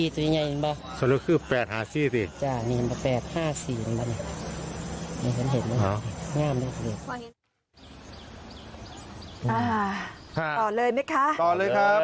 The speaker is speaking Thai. ต่อเลยไหมคะต่อเลยครับ